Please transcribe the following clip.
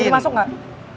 beri masuk gak